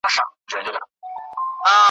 او لوستونکو ته پیغام ورکوي `